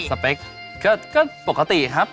สเปคก็ปกติครับ